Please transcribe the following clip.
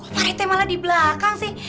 kok parete malah di belakang sih